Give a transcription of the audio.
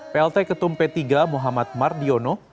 plt ketum p tiga muhammad mardiono